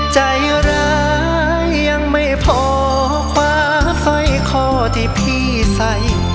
ใจร้ายยังไม่พอคว้าสร้อยคอที่พี่ใส่